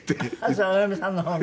そのお嫁さんの方が？